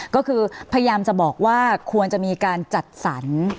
ก็คือพยายามจะบอกว่าควรจะมีการจัดสรร